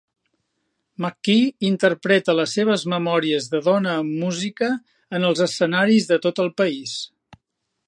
McKee interpreta les seves memòries de dona amb música en els escenaris de tot el país.